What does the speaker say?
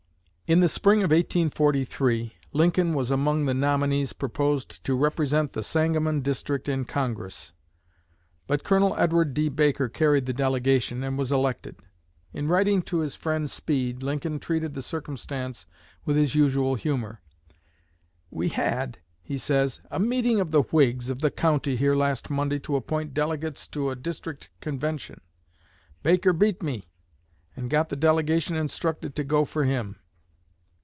In the spring of 1843 Lincoln was among the nominees proposed to represent the Sangamon district in Congress; but Col. Edward D. Baker carried the delegation, and was elected. In writing to his friend Speed, Lincoln treated the circumstance with his usual humor. "We had," he says, "a meeting of the Whigs of the county here last Monday to appoint delegates to a district convention. Baker beat me, and got the delegation instructed to go for him.